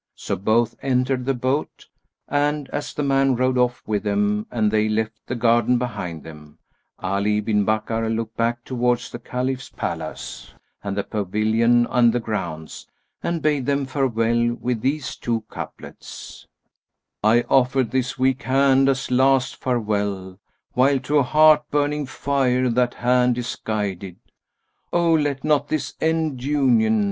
So both entered the boat and, as the man rowed off with them and they left the garden behind them, Ali bin Bakkar looked back towards the Caliph's palace and the pavilion and the grounds; and bade them farewell with these two couplets, "I offered this weak hand as last farewell, * While to heart burning fire that hand is guided: O let not this end union!